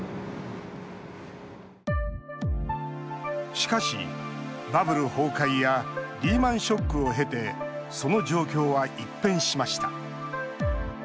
しかし、バブル崩壊やリーマンショックを経てその状況は一変しました。